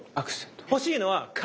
欲しいのは「か」。